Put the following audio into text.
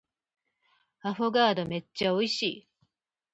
アフォガードめっちゃ美味しい